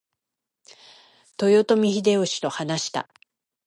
豊臣秀吉と話した。